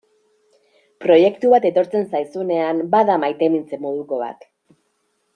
Proiektu bat etortzen zaizunean bada maitemintze moduko bat.